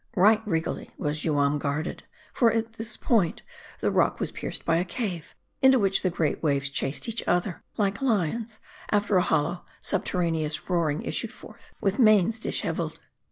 Right regally was Juam guarded. For, ,at this point, the rock was pierced by a cave, into which the great waves chased each other like lions ; after a hollow, subterraneous roaring issuing forth with manes disheveled.